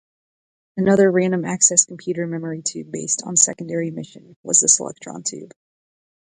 Another random access computer memory tube based on secondary emission was the Selectron tube.